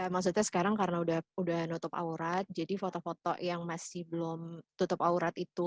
maksudnya sekarang karena udah nutup aurat jadi foto foto yang masih belum tutup aurat itu